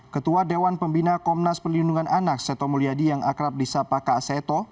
ketua dewan pembina komnas perlindungan anak seto mulyadi yang akrab di sapa kak seto